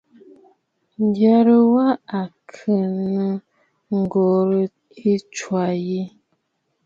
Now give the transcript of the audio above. Ǹyərə wa à kɨ̀ nô ŋ̀gòrə̀ ɨ tswâ yi.